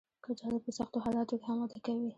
کچالو په سختو حالاتو کې هم وده کوي